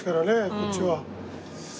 こっちは。